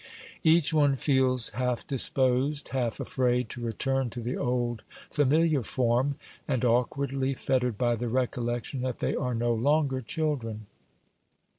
Each one feels half disposed, half afraid, to return to the old familiar form, and awkwardly fettered by the recollection that they are no longer children.